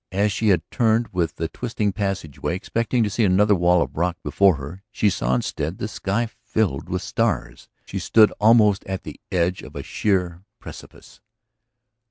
As she had turned with the twisting passageway, expecting to see another wall of rock before her, she saw instead the sky filled with stars. She stood almost at the edge of a sheer precipice.